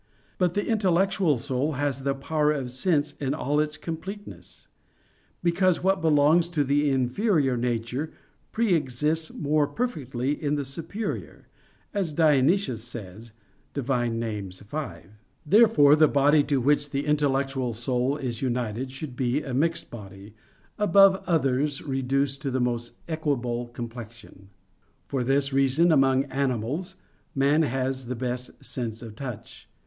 But the intellectual soul has the power of sense in all its completeness; because what belongs to the inferior nature pre exists more perfectly in the superior, as Dionysius says (Div. Nom. v). Therefore the body to which the intellectual soul is united should be a mixed body, above others reduced to the most equable complexion. For this reason among animals, man has the best sense of touch.